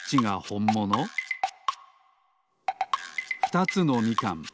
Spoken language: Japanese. ふたつのみかん。